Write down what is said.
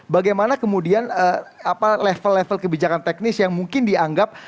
bagaimana kemudian level level kebijakan teknis yang mungkin dianggap